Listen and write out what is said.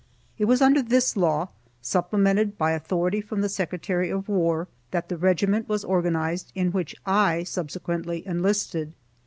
It was under this law, supplemented by authority from the Secretary of War, that the regiment was organized in which I subsequently enlisted.